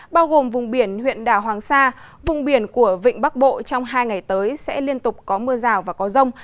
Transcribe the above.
bao gồm vùng biển huyện đảo hoàng sa vùng biển của vịnh bắc bộ trong hai ngày tới sẽ liên tục có mưa rào và có rông